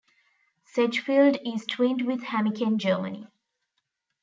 Sedgefield is twinned with Hamminkeln, Germany.